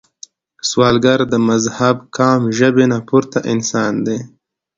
سوالګر د مذهب، قام، ژبې نه پورته انسان دی